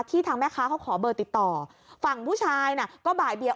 ทางแม่ค้าเขาขอเบอร์ติดต่อฝั่งผู้ชายน่ะก็บ่ายเบียง